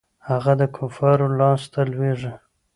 هغه د کفارو لاسته لویږي.